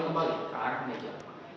kembali ke arah meja